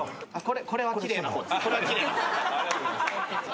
ありがとうございます。